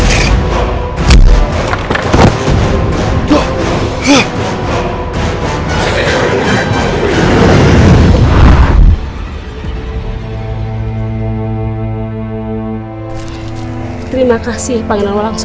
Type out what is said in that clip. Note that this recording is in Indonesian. terima kasih panggilan walang sungsang